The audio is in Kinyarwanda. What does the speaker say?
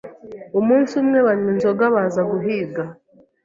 Umunsi umwe, banywa inzoga baza guhiga.